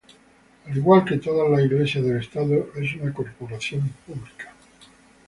Al igual que todas las iglesias del estado, es una corporación pública.